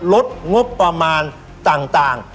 ลดงบประมาณต่าง